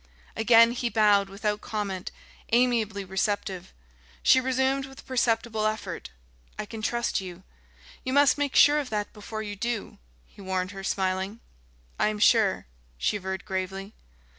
Again he bowed, without comment, amiably receptive. She resumed with perceptible effort: "I can trust you " "You must make sure of that before you do," he warned her, smiling. "I am sure," she averred gravely.